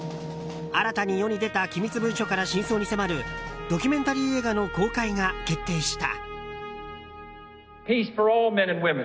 新たに世に出た機密文書から真相に迫るドキュメンタリー映画の公開が決定した。